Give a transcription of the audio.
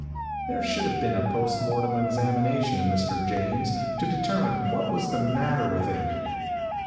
There should have been a post mortem examination of Mr. James to determine what was the matter with him.